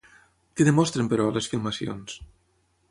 Què demostren, però, les filmacions?